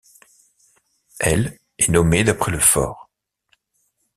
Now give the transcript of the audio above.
L' est nommée d'après le fort.